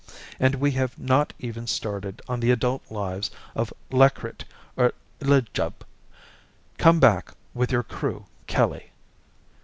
And we have not even started on the adult lives of Lakrit or Lljub. Come back with your Crew, Kelly."